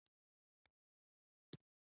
دا راز درملنه ډېره سخته وه.